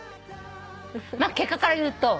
結果から言うと。